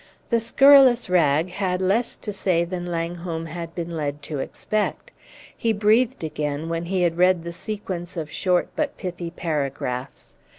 The "scurrilous rag" had less to say than Langholm had been led to expect. He breathed again when he had read the sequence of short but pithy paragraphs.